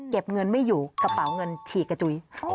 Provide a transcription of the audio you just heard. เก็บเงินไม่อยู่กระเป๋าเงินฉี่กระจุย